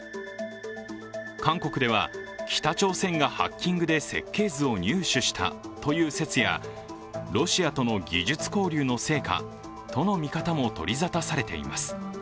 韓国では、北朝鮮がハッキングで設計図を入手したという説やロシアとの技術交流の成果との見方も取り沙汰されています。